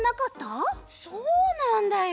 そうなんだよ。